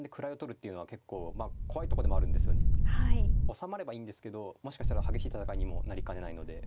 収まればいいんですけどもしかしたら激しい戦いにもなりかねないので。